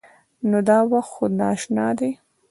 نو دا وخت خو د ناشتا نه دی.